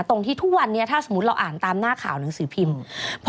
ตรงที่ทุกวันนี้ถ้าสมมุติเราอ่านตามหน้าข่าวหนังสือพิมพ์